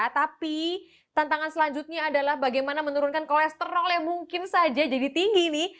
tapi tantangan selanjutnya adalah bagaimana menurunkan kolesterol yang mungkin saja jadi tinggi nih